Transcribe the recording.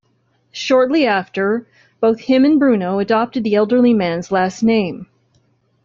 Shortly after, both him and Bruno adopted the elderly man's last name.